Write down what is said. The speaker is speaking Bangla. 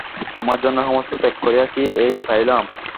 তোমার জন্য সমস্ত ত্যাগ করিয়া কি এই পাইলাম।